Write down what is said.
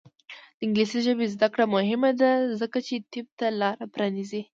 د انګلیسي ژبې زده کړه مهمه ده ځکه چې طب ته لاره پرانیزي.